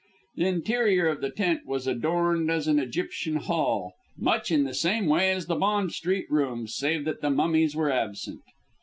The interior of the tent was adorned as an Egyptian Hall, much in the same way as the Bond Street rooms, save that the mummies were absent.